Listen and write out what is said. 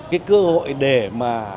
cái cơ hội để mà